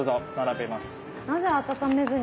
なぜ温めずに？